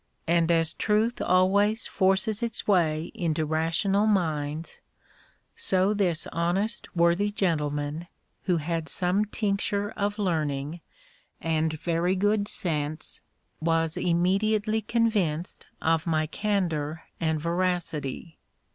And as truth always forces its way into rational minds, so this honest worthy gentleman, who had some tincture of learning, and very good sense, was immediately convinced of my candor and veracity.